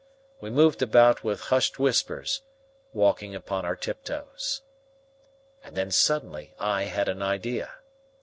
We moved about with hushed whispers, walking upon our tip toes. And then suddenly I had an idea.